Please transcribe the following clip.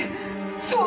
そう！